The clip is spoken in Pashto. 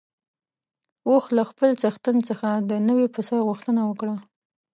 اوښ له خپل څښتن څخه د نوي پسه غوښتنه وکړه.